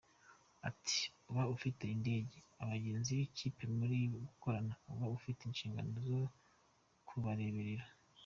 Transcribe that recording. Ati “Uba ufite indege, abagenzi n’ikipe muri gukorana, uba ufite inshingano zo kubareberera.